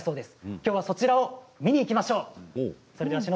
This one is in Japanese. きょうはそちらを見にいきましょう。